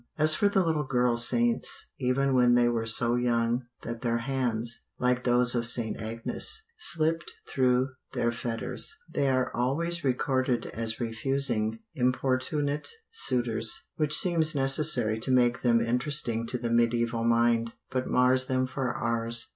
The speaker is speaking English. As for the little girl saints, even when they were so young that their hands, like those of St. Agnes, slipped through their fetters, they are always recorded as refusing importunate suitors, which seems necessary to make them interesting to the mediaeval mind, but mars them for ours.